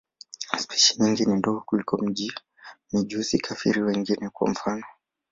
Spishi nyingi ni ndogo kuliko mijusi-kafiri wengine, kwa mfano.